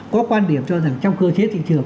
có quan điểm cho rằng trong cơ chế thị trường